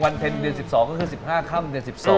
วันเพ็นท์เดือน๑๒ก็คือ๑๕ขั้นเดือน๑๒